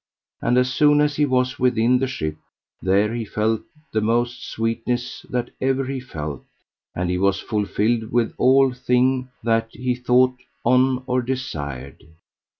And as soon as he was within the ship there he felt the most sweetness that ever he felt, and he was fulfilled with all thing that he thought on or desired.